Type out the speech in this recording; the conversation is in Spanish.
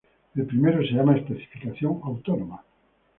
El primero se llama especificación autónoma.